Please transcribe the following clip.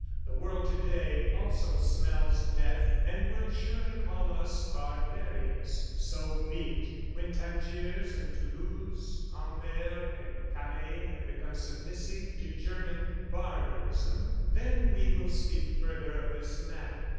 The world to day also smells death and will surely call us barbarians. ... So be it! When Tangiers and Toulouse, Amberes and Calais have become submissive to German barbarism ... then we will speak further of this matter.